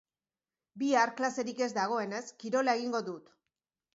Bihar klaserik ez dagoenez, kirola egingo dut.